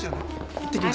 いってきます。